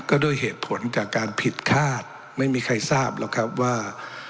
ก็ด้วยเหตุผลจากการผิดคาดไม่มีใครทราบหรอกครับว่า